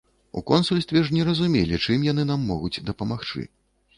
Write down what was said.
У консульстве ж не разумелі, чым яны нам могуць дапамагчы.